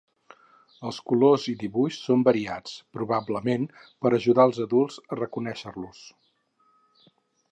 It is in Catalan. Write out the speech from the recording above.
Els colors i dibuix són variats, probablement per ajudar els adults a reconèixer-los.